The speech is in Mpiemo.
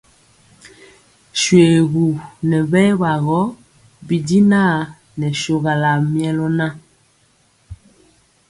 Shoégu nɛ bɛbagɔ bijinan nɛ shogala milœ nan.